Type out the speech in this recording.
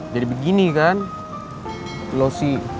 jadi begini kan lo sih